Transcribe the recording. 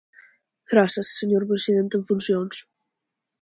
Grazas, señor presidente en funcións.